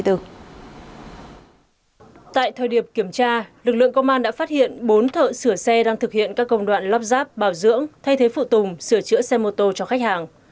tại thời điểm kiểm tra lực lượng công an đã phát hiện bốn thợ sửa xe đang thực hiện các công đoạn lắp ráp bảo dưỡng thay thế phụ tùng sửa chữa xe mô tô cho khách hàng